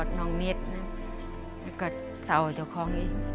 โทษน้องเนธแล้วก็เจ้าของเอง